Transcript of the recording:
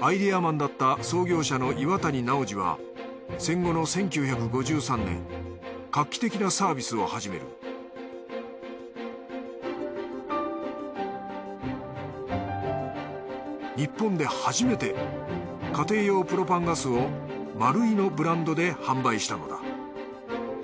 アイデアマンだった創業者の岩谷直治は戦後の１９５３年画期的なサービスを始める日本で初めて家庭用プロパンガスをマルイのブランドで販売したのだ。